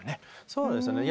そうですね。